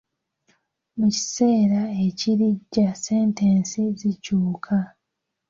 Mu kiseera ekirijja ssentensi zikyuka.